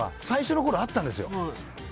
最初のころあったんですよ